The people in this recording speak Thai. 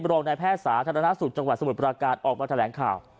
รองนายแพทย์สาธารณสุขจังหวัดสมุทรปราการออกมาแถลงข่าว